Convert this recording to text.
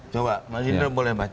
coba mas indra boleh baca